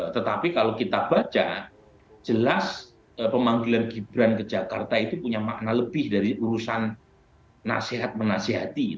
tetapi kalau kita baca jelas pemanggilan gibran ke jakarta itu punya makna lebih dari urusan nasihat menasihati